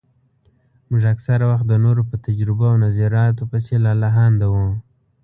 موږ اکثره وخت د نورو په تجربو او نظرياتو پسې لالهانده وو.